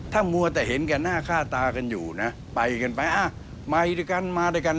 ถ้ามัวแต่เห็นแก่หน้าฆ่าตากันอยู่นะไปกันไปอ่ะมาด้วยกันมาด้วยกัน